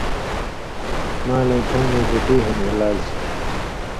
مالَیں کَھن٘گیں بُوٹی ہِن علاج